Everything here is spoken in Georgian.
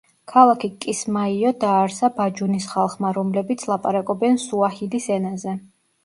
ქალაქი კისმაიო დააარსა ბაჯუნის ხალხმა, რომლებიც ლაპარაკობენ სუაჰილის ენაზე.